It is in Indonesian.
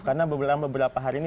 karena beberapa hari ini